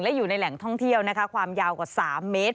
และอยู่ในแหล่งท่องเที่ยวนะคะความยาวกว่า๓เมตร